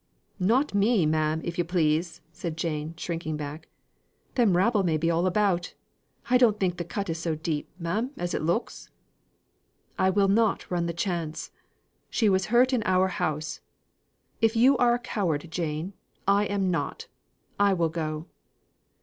"Not me, ma'am, if you please," said Jane, shrinking back. "Them rabble may be all about; I don't think the cut is so deep, ma'am, as it looks." "I will not run the chance. She was hurt in our house. If you are a coward, Jane, I am not. I will go."